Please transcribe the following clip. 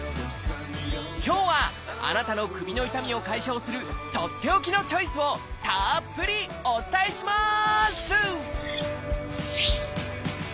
今日はあなたの首の痛みを解消するとっておきのチョイスをたっぷりお伝えします！